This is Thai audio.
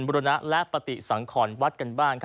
รณะและปฏิสังขรวัดกันบ้าง